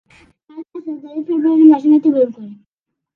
তার চাচাতো ভাই ফেব্রুয়ারি মাসে মৃত্যুবরণ করে।